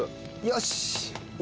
よし。